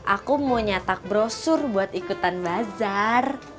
aku mau nyatak brosur buat ikutan bazar